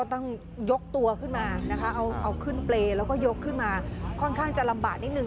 ต้องยกตัวขึ้นมานะคะเอาขึ้นเปรย์แล้วก็ยกขึ้นมาค่อนข้างจะลำบากนิดนึ